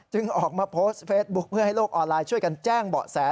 ออกมาโพสต์เฟซบุ๊คเพื่อให้โลกออนไลน์ช่วยกันแจ้งเบาะแส